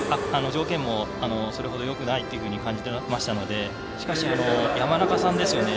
条件もそれほどよくないっていうふうに感じていましたのでしかし、山中さんですよね。